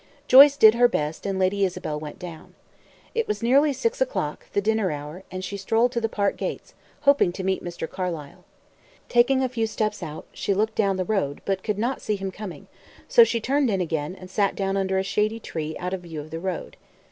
Joyce did her best, and Lady Isabel went down. It was nearly six o'clock, the dinner hour, and she strolled to the park gates, hoping to meet Mr. Carlyle. Taking a few steps out, she looked down the road, but could not see him coming; so she turned in again, and sat down under a shady tree out of view of the road.